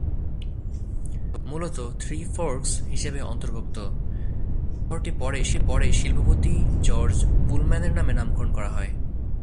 মূলত three forks হিসাবে অন্তর্ভুক্ত, শহরটি পরে শিল্পপতি জর্জ পুলম্যানের নামে নামকরণ করা হয়।